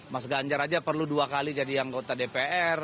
mas ganjar aja perlu dua kali jadi anggota dpr